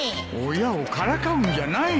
親をからかうんじゃない。